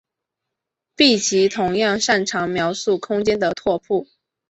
闭集同样擅长描述空间的拓扑。